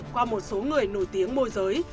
qua một số người nổi tiếng môi giới